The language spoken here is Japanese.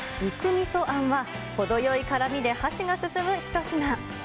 みそあんは、程よいからみで箸が進む一品。